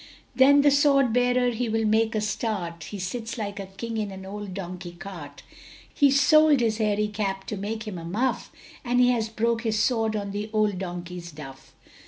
Then the sword bearer he will make a start, He sits like a king in an old donkey cart; He sold his hairy cap to make him a muff, And he has broke his sword on the old donkey's duff.